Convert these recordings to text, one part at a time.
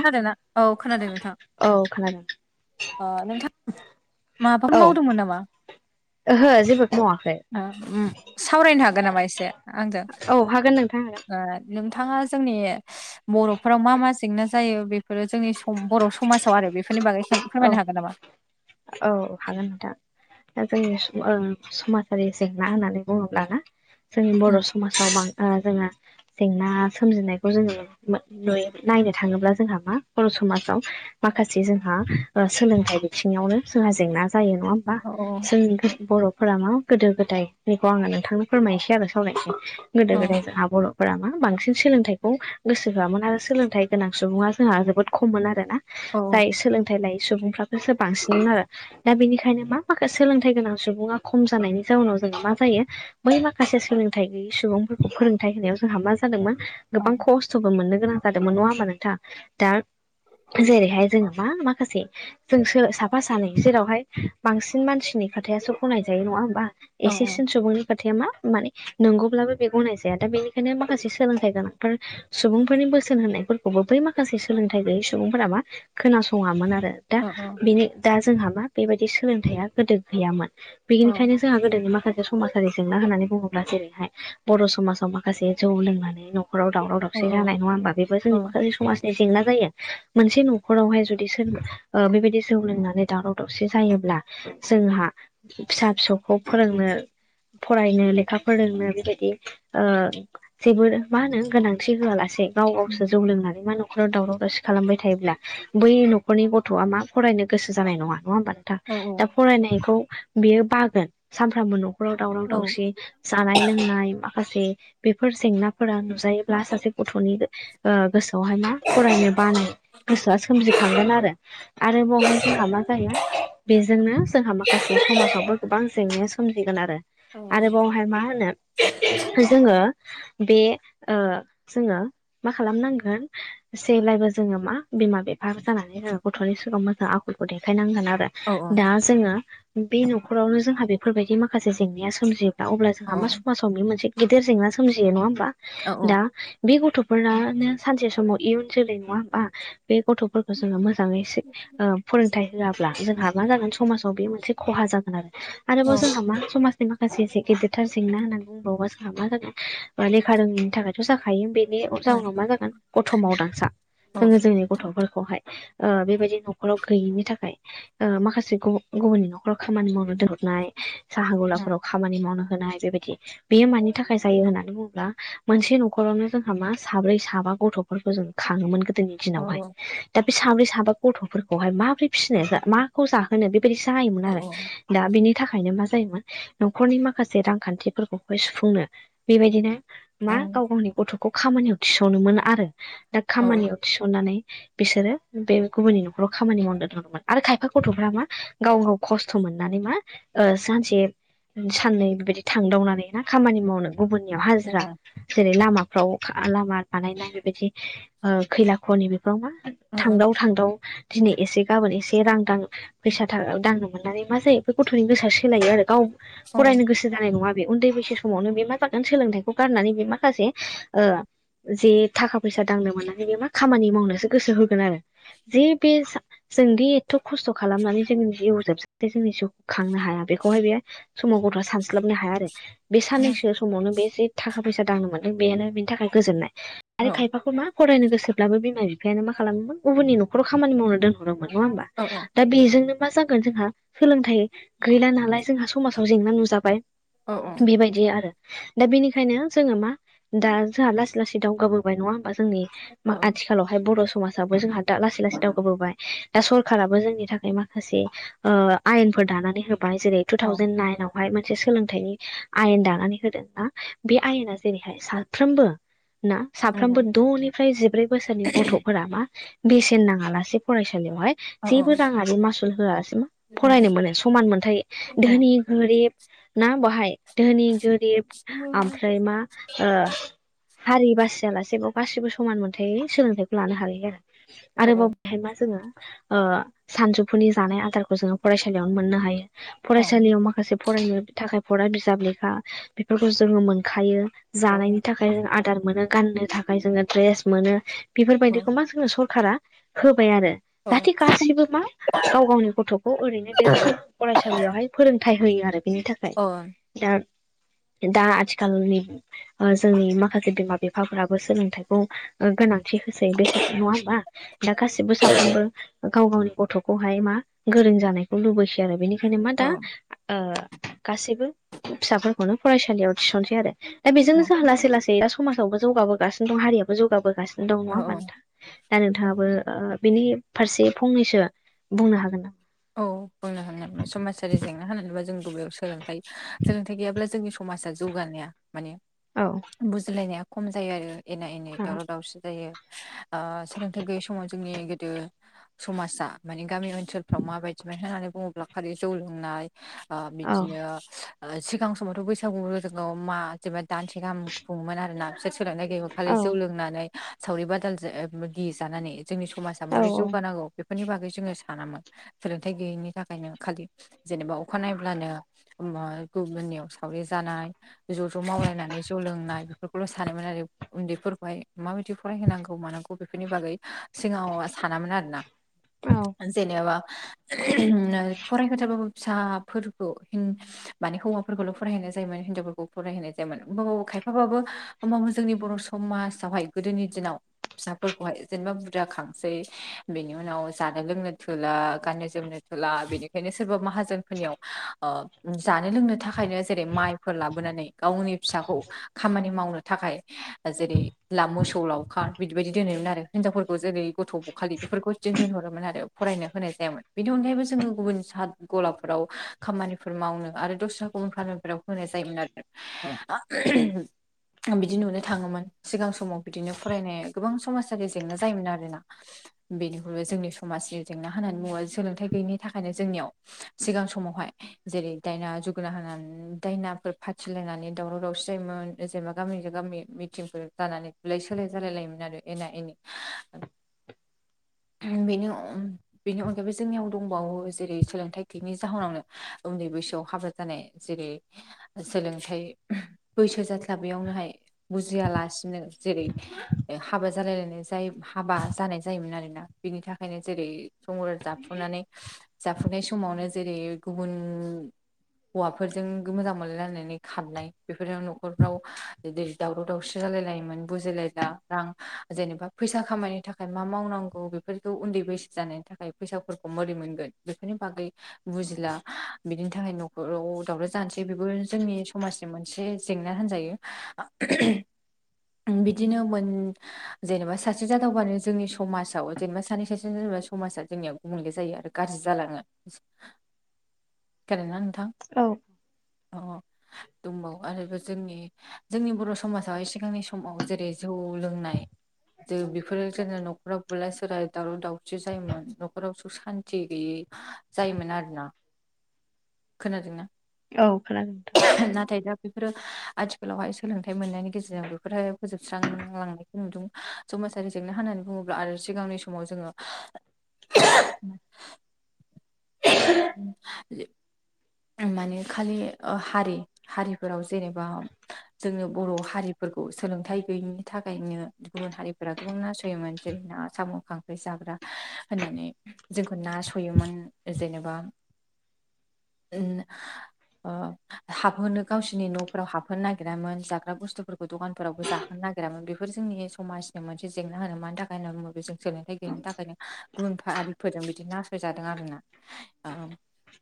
खोनादों नना औ खोनादों नोंथां औ खोनादों। अ नोंथां माबा औ मावदोंमोन नामा? ओहो जेबो मावाखै। सावरायनो हागोन नामा एसे आंजों औ हागोन नोंथां हागोन नोंथाङा जोंनि बर'फोराव मा मा जेंना जायो बेफोरो जोंनि सम बर' समाजाव आरो बेफोरनि बागै औ सावरायनो हागोन नामा? औ हागोन नोंथां। दा जोंनि समाजारि जेंना होननानै बुङोब्लाना जोंनि बर' समाजाव जोङो जेंना सोमजिनायखौ जोङो नुयो नायनो थाङोब्ला जोंहा मा बर' समाजाव माखासे जोंहा सोलोंथाइ बिथिङावनो जोंहा जेंना जायो नङा होमबा औ जों बर'फोरा मा गोदो गोदायनिखौ आङो नोंथांनो फोरमायनोसै आरो सावरायनोसै गोदो औ गोदाय जोंहा बर' फोरा मा बांसिन सोलोंथाइखौ गोसो होयामोन आरो सोलोंथाइ गोनां सुबुङा जोंहा जोबोद खममोन आर ना। जाय सोलोंथाइ लायै सुबुंफाखसो बांसिनमोन आरो। दा बेनिखायनो मा माखासे सोलोंथाइ गोनां सुबुङा खम जानायनि जाउनाव जोङो मा जायो बै माखासे सोलोंथाइ गैयै सुबुंफोरखौ फोरोंथाइ होनायाव जोंहा मा जादोंमोन औ गोबां खस्थ' खसथ'बो मोननो गोनां जादोंमोन नङा होमा नोंथाङा दा जेरैहाय जोङो मा माखासे जोंसो साफा सानै जेरावहाय बांसिन मानसिनि खोथाया सोर गनाय जायो नङा होमबा? औ एसे सिन सुबुंनि खोथाया मा माने नंगौब्लाबो बे गनायजाया दा बेनिखायनो माखासे सोलोंथाइ गोनांफोर सुबुंफोरनि बोसोन होनायफोरखौबो बै माखासे सोलोंथाइ गैयै सुबुंफोराबा खोनासङामोन आरो। दा औ बेनि दा जोंहा मा बेबायदि सोलोंथाइया गोदो गैयामोन औ बिनिखायनो जोंहा गोदोनि माखासे समाजारि जेंना होननानै बुङोब्ला जेरैहाय बर' समाजाव माखासे जौ लोंनानै न'खराव दावराव औ दावसि औ जानाय नङा होमबा बेबो जोंनि माखासे समाज जेंना जायो मोनसे न'खरावहाय जुदि सोरबा बेबायदि जौ लोंनानै दावराव दावसि जायोब्ला जोंहा फिसा फिसौखौ फोरोंनो फरायनो लेखा फोरोंनो बेबायदि ओ जेबो मा होनो गोनांथि होआलासे गाव गावसो जौ लोंनानै मा न'खराव दावराव दावसि खालामबाय थायोब्ला। बै न'खरनि गथ' गथ'आ मा फरायनो गोसो जानाय नङा नङा? होमब नोंथा औ दा फरायनायखौ बेयो बागोन सानफ्रोमबो न'खराव दावराव औ दावसि जानाय लोंनाय माखासे बेफोर जेंनाफोरा नुजायोब्ला सासे गथ'नि गोसोआवहाय मा फरायनो बानो गोसोआ सोमजिखांगोन आरो। आरो बावहाय जोंहा मा जायो बेजोंनो जोंहा माखासे समाजावबो गोबां जेंनाया सोमजिगोन आरो औ आरो बावहाय मा होनो जोङो बे जोङो मा खालामनांगोन जेब्लाायबो जोङो मा बिमा बिफा जानानै रोङ गथ'नि सिगाङाव मोजां आखलखौ देखायनांगोन आरो औ दा जोङो बे न'खरावनो जोंहा बेफोरबायदि माखासे जेंनाया सोमजियोब्ला अब्ला जोंहा मा समाजाव समनि मोनसे गिदिर जेंना सोमजियो नङा होमबा औ दा बे गथ'फोरानो सानसे समाव इयुन जोलै नङा हबा बे गथ'फोरखौ जोङो मोजां मोजाङै फोरोंथाइ होआब्ला जोंहा मा जागोन समाजाव बे मोनसे खहा जागोन आरो। आरोबाव जोंहा मा माखासे एसे गेदेरथार जेंना होननानै बुंबावबा जोंहा मा जागोन लेखा रोङिनि थाखायथ' जाखायो बे जाउनाव मा जागोन गथ' मावदांसा जोङो जोंनि गथ'फोरखौहाय बेबायदि न'खराव गैयिनि थाखाय माखासे गुबुननि न'खराव खामानि मावनो दोनहरनाय साहा गुलाफोराव खामानि मावनो होनाय बेबायदि बेयो मानि थाखाय जायो होननानै बुङोब्ला मोनसे न'खरावनो जोंहा मा साब्रै साबा गथ'फोरखौ जों खाङोमोन गोदोनि दिनावहाय दा बे साब्रै साबा गथ'फोरखौहाय माबोरै फिसिनो मा? माखौ जाहोनो बेबायदि जाहायोमोन आरो। दा बिनि थाखायनो मा जायोमोन न'खरनि माखासे रांखान्थिफोरखौहाय सुफुंनो। बेबायदिनो मा गाव गावनि गथ'खौ खामानियाव थिसावनो मोनो आरो दा खामानियाव थिसननानै बिसोरो बे गुबुननि न'खराव खामानि मावनो दमोन आरो खायफा गथ'फ्रा मा गाव गाव खस्थ' मोननानै मा सानसे साननै बेबायदि थांदावनानै ना खामानि मावनो? गुबुननियाव हाजिरा जेरै लामा फाव लामा बानायनाय बेबायदि खैला खनि बेफोराव मा थांदाव थांदाव दिनै एसे गाबोन एसे रांदां फैसा थाख दांनो मोननानै मा जायो? बे गथ'नि गोसोआ सोलायो आरो गाव औ फरायनो गोसो जानाय नङा बे। उन्दै बैसो समावनो बे मा जागोन सोलोंथाइखौ गारनानै बे माखासे जे थाखा फैसा दांनो मोनाखै मा खामानि मावनोसो गोसो होगोन आरो जे बे जों बे एथ' खस्थ' खालामनानै जों जिवजाब जोंनि जि खांनो हाया बेखौहाय बे समाव गथ'आ सानस्लाबनो हाया आरो बे औ साननैसो समावनो बे जे थाखा फैसा दांनो मोनदों बेानो बेनि थाखाय गोजोननाय आरो औ खायफाखौ मा फरायनो गोसोब्लाबो बिमा बिफायानो मा खालामोममोन। गुबुन न'खराव खामानि मावनो दोनहरदोंमोन नङा होनबा? औ दा बेजोंनो मा जागोन जोंहा सोलोंथाइ गैला नालाय जोंहा समाजाव जेंना नुजाबाय औ औ बेबायदि आरो दा बेनिखायनो जोङो मा दा जोंहा लासै लासै दावगाबो नङा होनबा? जोंनि औ आथिखालावहाय बर' समाज जोंहा दा लासै लासै दावगबोबाय दा सरखाराबो जोंनि थाखाय माखासे। आयेनफोर दानानै होबाय जेरै टु औ थावजेेन नाइन आव हाय मोनसे सोलोंथाइनि आयेन दानानै होदोंनाा। बे आयना जेरैहाय साफ्रोमबो ना औ साफ्रोमबो द'निफ्राय जिब्रै बोसोरनि गथ'फोरा मा बेसेन नाङा लासे फरायसालियावहाय औ औ जेबो राङाआरो मासुल होयासिम औ फरायनो मोनो समान मोनथाय औ धोनि गोरिब ना बहाय धोनि गोरिब ओमफ्राय मा हारि बासियालासे बेयाव गासिबो समान मोनथाय सोलोंथायाइखौ लानो हायो आरो। आरोबाव बेहाय मा जोङो सानजौफुनि जानाय आदारखौ जोङो फरायसालियावनो मोननो हायो। फरायसालियाव माखासे फरायनो थाखाय फरा बिजाब लेखा बेफोरखौ जोङो मोनखायो। जानायनि थाखाय जों आदार मोनो गाननो थाखाय जोङो द्रेस मोनो बेफोरबायदिखौ मा जोंनो सरखारा होबाय आरो जाहाथे गासिबो मा गाव गावनि गथ'खौ ओरैनो दोना फरायसालियावहाय फोरोंथाय होयो आरो बेनि थाखाय। अ' दा दा आथिखालनि जोंनि माखासे बिमा बिफाफोराबो सोलोंथाइखौ ओ गोनांथि होसै। बेसे नङा होमबा दा गासिबो साफ्रोमबो गाव गावनि गथ'खौहाय मा गोरों जानायखौ लुबैसै आरो बेनिखायनो मा दा औ ओ गासैबो फिसाफोरखौनो फरायसालियाव थिसनसै आरो। दा बेजोंनो जोंहा लासै लासै दा समाजावबो जौगाबोगासिनो दं हारिाबो जौगाबोगासिनो नोंङा होमबा? दा नोंथाङाबो बेनि फारसे फंनैसो बुंनो हागोन नामा? औ बुंनो हागोन समाजारि जेंना होननानैङा जों गुबबेयाव सोलोंथाइ सोलोंथाइ गैयाब्ला जोंनि। समाजा जौगानाया माने। औ। बुजिलायनाया खम जायो आरो एना एनि औ दावराव दावसि जायो। सोलोंथाइ गैयि समाव जोंनि गोदो समाजा माने गामि ओनसोल फाव माबायदिमोन होननानै बुङोब्ला खालि जौ लोंनाय औ बिदिनो सिगां समावथ' बैसागु जोङाव मा जेनबा दानसे गाहाम खुङोमोन आर ना बिसोर सोनारनाय गायोमोन खालि जौ लोंनानै सावरि बादालजो जानानै जोंनि समाज दा औ मरि जौगा नांगौ बेफोरनि बागै जोङो सानामोन। सोलोंथाय गैयैनि थाखायनो खालि जेनेबा अखा नायब्लानो मा गुबुननियाव सावरि जानाय ज' ज' मावलायनानै जौ लोंनाय बेफोरखौल' सानोमोन आरो उन्दैफोरखौहाय माबायदि फरायहोनांगौ मानांगौ बेफोरनि बागै सिगाङाव सानामोन आरो ना। ओ जेनेबा नो फरायहोथाबाबो फिसाफोरखौ माने हौवाफोरखौल' फरायहाय जायोमोन हिनजावफोरखौ फरायहैनाय जायामोन होमबा बाबो खायफाबाबो होमबाबो जोंनि बर' समाजावहाय गोदोनि दिनाव फिसाफोरखौहाय जेनेबा बुरजा खांसै बेनि उनाव जानो लोंनो थोला। गाननो जोमनो थोला बेनिखायनो सोरबा माहाजोनफोरनियाव ओ जानो लोंनो थाखायनो जेरै माइ फोर लाबोनानै गावनि फिसाखौ खामानि मावनो थाखाय ओ जेरै ला मोसौ लावखार बिदि बायदि दोनोमोन आरो। हिनजावफोरखौ जेरै गथ' बखालि बेफोरखौ बिदिनो दोनहरोमोन आरो। फरायनो होनाय जायामोन बिनथन [unintelligible] जोङो गुबुन सा गलाफोराव खामानिफोर मावनो आरो दस्रा गुबुन फ्रामफोराव होनाय जायो मोन आरो [unintelligible] उम आं बिदि नुनो थाङोमोन। सिगां समाव बिदिनो फरायनाय गोबां समाजारि जेंना जायोमोन आरो ना। बेनिख्रुयबो जोंनि समाजनि जेंना होननानै मुङा सोलोंथाय गैयिनि थाखायनो जोंनियाव सिगां समावहाय जेरै दायना जुगोना होनानै दायनाफोर फाथि होलायनानै दावराव दावसि जायोमोन। ओ जेनेबा गामिजों गामि मिटिंफोर जानानै दुलाय सोलाय जालाय लायोमोन आरो। एना एनि ओ उम बेनि अम बेनि अनगायैबो जोंनियाव दंबावो जेरै सोलोंथाइ गैयैनि जाहोनावनो उन्दै बैसोआव हाबा जानाय। जेरै ओ सोलोंथाइ बैसो जाथ्लाबैयावनोहाय बुजियालासिनो जेरै ओ हाबा जालायलायनाय जाय हाबा जानाय जायोमोन आरोना बेनि थाखायनो जेरै संरा जाफुंनानै जाफुनाय समावनो जेरै गुबुन हौवाफोरजों गो मोजां मोनलायलायनानै खारनाय बेफोराव न'खरफ्राव बिदि दावराव दावसि जालाय लायोमोन। बुजिलायला रां जेनेबा फैसा खामायनो थाखाय मा मावनांगौ बे फोरखौ उन्दै बैसो जानाय थाखाय फैसाफोरखौ मोरै मोनगोन बेफोरनि बागै बुजिला बिनि थाखाय न'ख बोराव दावराव जानोसै बेबो जोंनि समाजनि मोनसे जेंना होनजायो। ओं बिदिनो मोन जेनेबा सासे जाथावबानो जोंनि समाजाव जेनेबा सानै सासे जेनेबा समाजा जोंनिया गुबुंले जायो आरो गाज्रि जालाङो [unintelligible] नोंथां औ अ दंबावो आरो गो जोंनि जोंनि बर' समाजावहाय सिगांनि समाव जेरै जौ लोंनाय जो बेफोरो जोङो न'खराव बुलाय सोरा दावराव दावसि जायोमोन न'खराव सचख सान्ति गैयै जायोमोन आरोना खोनादोंना औ खोनादों नोंथां नाथाय दा बेफोरो आथिखालावहाय सोलोंथाइ मोननायनि गेजेरजों बेफोरहाय फोजोबस्रां लांनाय खो नुदों। समाजारि जेंना होननानै बुङोब्ला आरो सिगांनि समाव जोङो लि आं माने खालि ओ हारि हारिफोराव जेनेबा जोंनो बर' हारिफोरखौ सोलोंथाइ गैयिनि थाखायनो गुबुन हारि फ्रा गोबां नासयोमोन जेरै ना साम' खांख्राय जाग्रा होननानै जोंखौ नासयोमोन जेनेबा [unintelligible] ओ हाबहोनो गावसोरनि न'फोराव हाबहोनो नागिरामोन जाग्रा बुस्थुफोरखौ दखानफोरावबो जा नागिरामोन बेफोर जोंनि समाजनि मोनसे जेंना आरो मानि थाखाय होनना बुङोबा बे जों सोलोंथाइ गैयिनि थाखायनो गुबुन फारिफोरजों बिदि नासयजादों आरोना ओ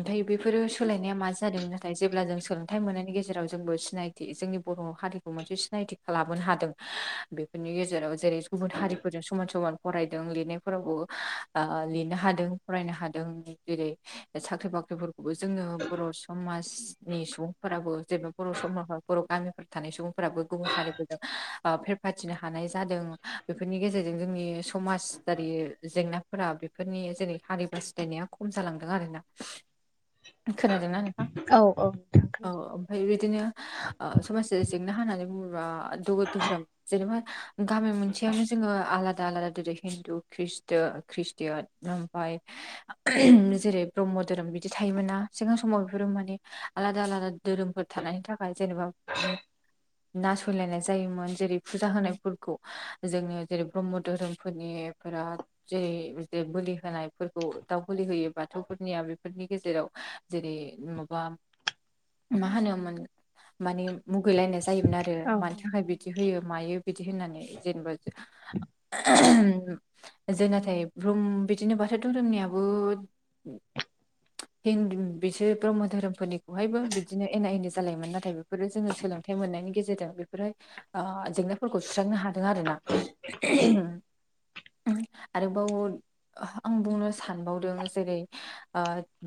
ओमफाय बेफोरो सोलायनाया मा जादों नाथाय जेब्ला जों सोलोंथाइ मोननायनि गेजेराव जोंबो सिनायथि जोंनि बर' हारि खौ मोनसे सिनायथिखो लाबोनो हादों बेफोरनि गेजेराव जेरै गुबुन हारिफोरजों समान समान फरायदों लिरनायफोरावबो आ लिरनो हादों फरायनो हादों जेरै साख्रि बाख्रिफोर बो जोङो बर' समाजनि सुबुंफोराबो जेबो बर' समाफोर बर' गामिफोर थानाय सुबुंफोराबो गुबुन हारिफोरजों ओ फेरफाथिनो हानाय जादों बेफोरनि गेजेरजों जोंनि समाजारि जेंनाफोरा बेफोरनि जेरै हारि बासि [unintelligible] खम जालांदों आरोना खोनादोंना नोंथां औ नोंथां औ खोनादों ओमफाय बिदिनो ओ समाजारि जेंना होननानै बुङोबा द' दोहोरोम जेनेबा गामि मोनसेयावनो जोङो आलादा आलादा [unintelligible] हिन्दु खृष्टो खृष्टिया ओमफाय [unintelligible] जेरै ब्रह्म धोरोम बि दि थायोमोन ना सिगां समाव बेफोरो माने आलादा आलादा धोरोमफोर थानायनि थाखाय जेनेबा [unintelligible] नासयलायनाय जायोमोन जेरै फुजा होनायफोरखौ जोंनि जेरै ब्रह्म धोरोमफोरनि बिराद जेरै बिदि बोलि होनायफोरखौ दाउ बोलि होयो बाथौफोरनिया बे फोरनि गेजेराव जेरै माबा मा होनोमोन माने मुगैलायनाय जायोमोन आरो मानि थाखाय बि बिदि होयो मायो बिदि होननानै जेनेबा [unintelligible] [unintelligible] जों नाथाय ब्रुम बिदिनो बाथौ धोरोमनियाबो [unintelligible] बिसोर ब्रह्म धोरोमफोरनि खौहायबो बिदिनो एना एनि जालायोमोन नाथाय बेफोरो जोङो सोलोंथाइ मोननायनि गेजेरजों बेफोरो आ [unintelligible] फोरखौ सुस्रांनो हादों आरोना [unintelligible] आरोबाव आं बुंनो सानबावदों जेरै ओ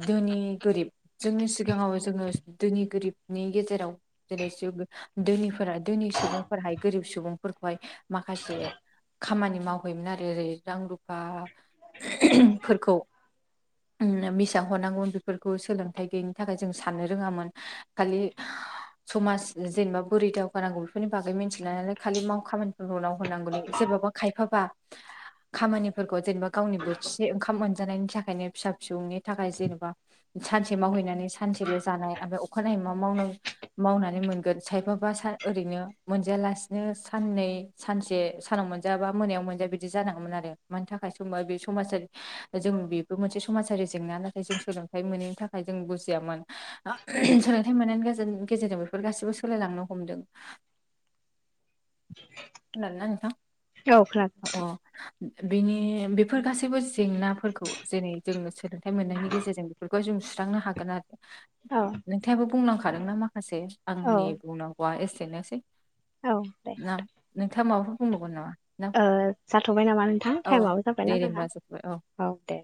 धोनि गोरिब जोंनि सिगाङाव जोङो दोनि गोरिबनि गेजेराव जेरै [unintelligible] धोनिफोरा धोनि सुबुंफोरहाय गोरिब सुबुंफोरखौहाय माखासे खामानि मावहैयोमोन आरो ओरै रां रुफा [unintelligible] फोरखौ बिसां हरनांगौमोन बेफोरखौ सोलोंथाइ गैयिनि थाखाय जों साननो रोङामोन खालि समाज जेनेबा बोरै दावगानांगौ बेफोरनि बागै मिनथिला नालाय खालि माव खामानिफोरखौ मावहोनांगौनि सोरबाबा खायफाबा खामानिफोरखौ जेनेबा गावनि बोथिसे ओंखाम मोनजानायनि थाखायनो फिसा फिसौनि थाखाय जेनेबा सानसे मावहैनानै सानसेल' जानाय ओमफ्राय अखानायै मा मावनांगौ, मावनानै मोनगोन सायफाबा सा ओरैनो मोनजायालासिनो साननै सानसे सानाव मोनजायाबा मोनायाव मोनजायो बिदि जानांगौमोन आरो मानि थाखाय समबा बे समाजारि जों बेबो मोनसे समाजारि जेंना नाथाय जों सोलोंथाइ मोनैनि थाखाय जों बुजियामोन। सोलोंथाइ मोननायनि गेजेर गेजेरजों बेफोर गासैबो सोलायलांनो हमदों। खोनादों ना नोंथां, औ खोनादों अ' बिनि बेफोर गासैबो जेंनाफोरखौ जेरै जों सोलोंथाइ मोननायनि गेजेरजों बेफोरखौ जों सुस्रांनो हागोन आरो। औ नोंथाङाबो बुंलांखादोंना माखासे औ आंनि बुंनांगौआ एसेनोसै। औ ना नोंथाङा माबाफोर बुंबावगोन नामा ना ओ जाथ'बाय नामा नोंथां औ थाइमाबो दे जाबायना दे होमबा जोंहा जोब्बाय औ दे।